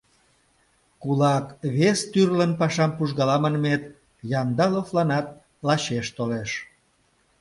«Кулак вес тӱрлын пашам пужгала» манмет Яндаловланат лачеш толеш.